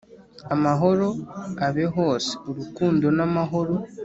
amahoro abe hose !urukundo n'amahoro